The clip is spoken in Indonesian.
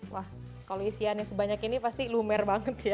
wah kalau isiannya sebanyak ini pasti lumer banget ya